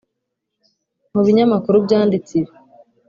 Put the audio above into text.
Mu binyamakuru byanditse ibi